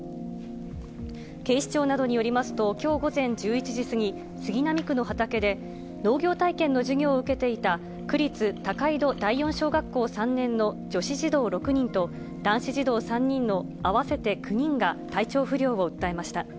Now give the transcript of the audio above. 警視庁などによりますと、きょう午前１１時過ぎ、杉並区の畑で、農業体験の授業を受けていた、区立高井戸第四小学校３年の女子児童６人と、男子児童３人の合わせて９人が体調不良を訴えました。